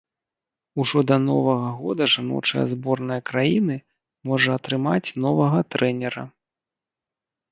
Ужо да новага года жаночая зборная краіны можа атрымаць новага трэнера.